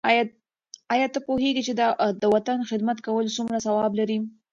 آیا ته پوهېږې چې د وطن خدمت کول څومره ثواب لري؟